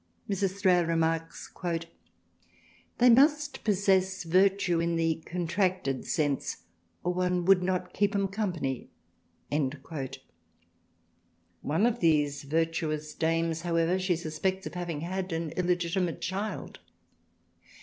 Mrs, Thrale remarks. THRALIANA 23 " They must possess virtue in the contracted sense or one would not keep 'em company." One of these virtuous dames, however, she suspects of having had an illegitimate child.